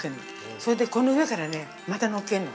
そいでね、この上からね、またのっけんの。